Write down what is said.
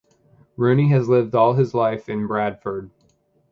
Rooney has lived all his life in Bradford.